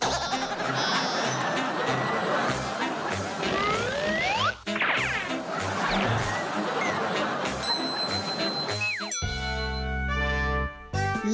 นี่